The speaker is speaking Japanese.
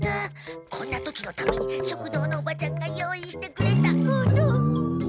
こんな時のために食堂のおばちゃんが用意してくれたうどん。